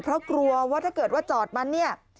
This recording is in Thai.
เพราะกลัวว่าถ้าเกิดว่าจอดมันเนี่ย